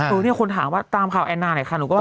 เออเนี่ยคุณถามว่าตามข่าวแอนนาไหนค่ะหนูก็ว่า